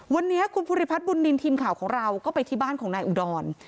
วันนี้คุณภูริพัฒนบุญนินทีมข่าวของเราก็ไปที่บ้านของนายอุดร